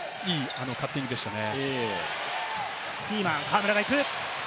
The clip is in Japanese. いいカッティングでしたね。